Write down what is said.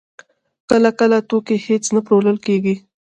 کله کله توکي هېڅ نه پلورل کېږي